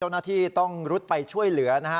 เจ้าหน้าที่ต้องรุดไปช่วยเหลือนะฮะ